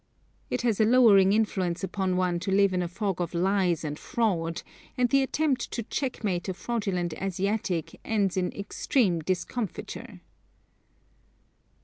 It has a lowering influence upon one to live in a fog of lies and fraud, and the attempt to checkmate a fraudulent Asiatic ends in extreme discomfiture.